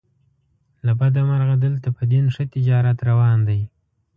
له بده مرغه دلته په دین ښه تجارت روان دی.